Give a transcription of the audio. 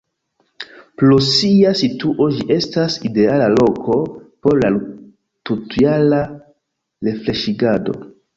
Pro sia situo ĝi estas ideala loko por la tutjara refreŝigado.